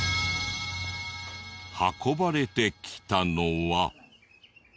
運ばれてきたのは。